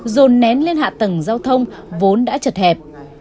dồn nén lên hạ tầng giao thông vốn đã chật hẹp